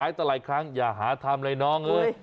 ต่อหลายครั้งอย่าหาทำเลยน้องเอ้ย